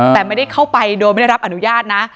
แต่ไม่ได้เข้าไปโดยไม่ได้รับอนุญาตนะ